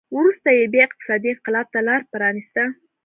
وروسته یې بیا اقتصادي انقلاب ته لار پرانېسته